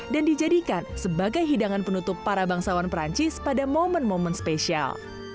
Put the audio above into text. dan dijadikan sebagai hidangan penutup para bangsawan perancis pada momen momen spesial